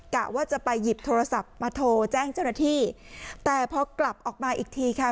กะว่าจะไปหยิบโทรศัพท์มาโทรแจ้งเจ้าหน้าที่แต่พอกลับออกมาอีกทีค่ะ